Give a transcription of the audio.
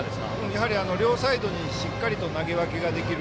やはり両サイドにしっかりと投げ分けができる。